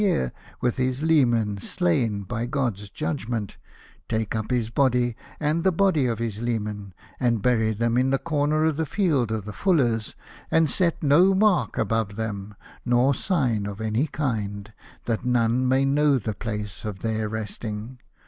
here with his letnan slain by God's judgment, take up his body and the body of his leman, and bury them in the corner of the Field of the Fullers, and set no mark above them, nor sign of any kind, that none may know the place of their resting.